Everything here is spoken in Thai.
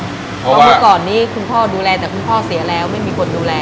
เพราะเมื่อก่อนนี้คุณพ่อดูแลแต่คุณพ่อเสียแล้วไม่มีคนดูแล